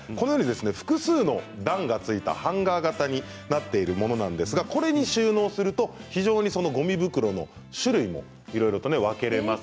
複数の段がついたハンガー型になっているものなんですがこれに収納すると非常にごみ袋の種類もいろいろと分けられます。